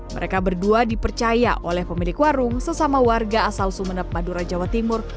mereka berdua dipercaya oleh pemilik warung sesama warga asal sumeneb madura jawa timur